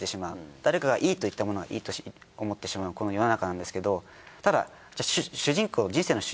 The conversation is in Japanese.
誰かがいいと言ったものがいいと思ってしまうこの世の中なんですけどただ。